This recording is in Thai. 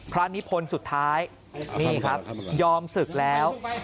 พระอนิพพลสุดท้ายนี่ครับยอมศึกแล้ว